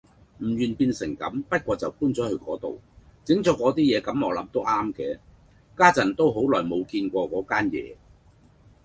唔願變成咁，不過就搬咗去嗰度，整咗嗰啲嘢咁我諗都啱嘅，家陣都好耐冇見過嗰間野